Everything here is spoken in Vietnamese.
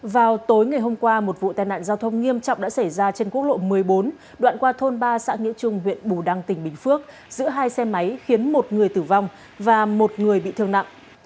vào tối ngày hôm qua một vụ tai nạn giao thông nghiêm trọng đã xảy ra trên quốc lộ một mươi bốn đoạn qua thôn ba xã nghĩa trung huyện bù đăng tỉnh bình phước giữa hai xe máy khiến một người tử vong và một người bị thương nặng